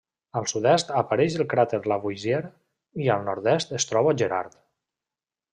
Al sud-est apareix el cràter Lavoisier, i al nord-est es troba Gerard.